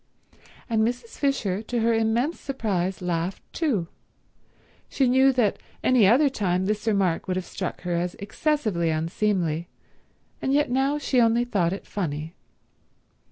And Mrs. Fisher to her immense surprise laughed too. She knew that any other time this remark would have struck her as excessively unseemly, and yet now she only thought it funny.